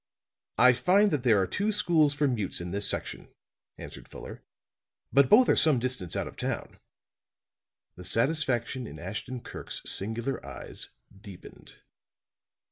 "I find that there are two schools for mutes in this section," answered Fuller. "But both are some distance out of town." The satisfaction in Ashton Kirk's singular eyes deepened.